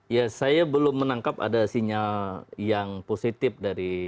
ya saya belum menangkap ada sinyal yang positif dari